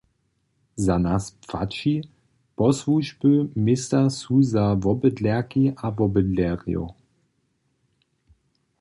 Za nas płaći: Posłužby města su za wobydlerki a wobydlerjow.